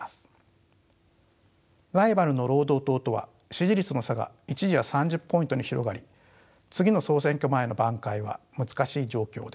ライバルの労働党とは支持率の差が一時は３０ポイントに広がり次の総選挙前の挽回は難しい状況です。